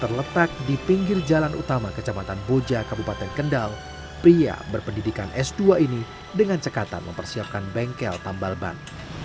terletak di pinggir jalan utama kecamatan boja kabupaten kendal pria berpendidikan s dua ini dengan cekatan mempersiapkan bengkel tambal ban